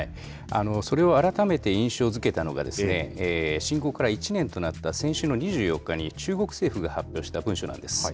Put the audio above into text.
それを改めて印象づけたのが、侵攻から１年となった先週の２４日に、中国政府が発表した文書なんです。